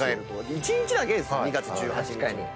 １日だけですよ２月１８日の。